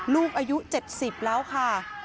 ลูกอายุ๗๐คุณแม่อายุ๗๐คุณแม่หน่อยค่ะ